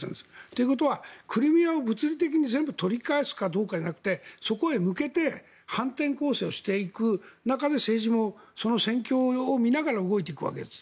ということはクリミアを物理的に全部取り返すかどうかじゃなくてそこへ向けて反転攻勢をしていく中で政治も、その戦況を見ながら動いていくわけです。